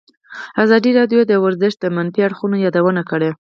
ازادي راډیو د ورزش د منفي اړخونو یادونه کړې.